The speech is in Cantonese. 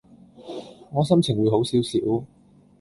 我心情會好少少